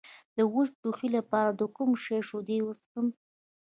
د وچ ټوخي لپاره د کوم شي شیدې وڅښم؟